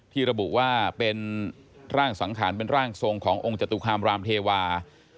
ระบุว่าเป็นร่างสังขารเป็นร่างทรงขององค์จตุคามรามเทวา